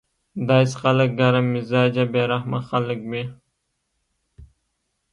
داسې خلک ګرم مزاجه بې رحمه خلک وي